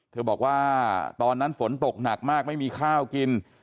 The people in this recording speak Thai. บอกว่าตอนนั้นฝนตกหนักมากไม่มีข้าวกิน